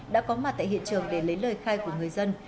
đã có mặt tại hiện trường để lấy lời khai của người dân